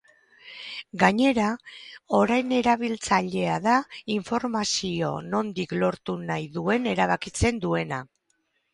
Gainera, orain erabiltzailea da informazio nondik lortu nahi duen erabakitzen duena.